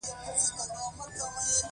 منډه د وجدان غږ ته غبرګون دی